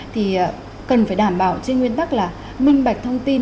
thì cần phải đảm bảo trên nguyên tắc là minh bạch thông tin